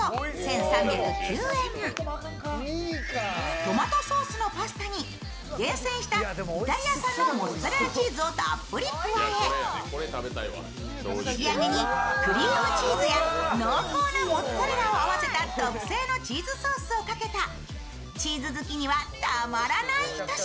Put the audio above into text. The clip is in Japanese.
トマトソースのパスタに厳選したイタリア産のモッツァレラチーズをたっぷり加え仕上げにクリームチーズや濃厚なモッツァレラを合わせた特製のチーズソースをかけたチーズ好きにはたまらないひと品。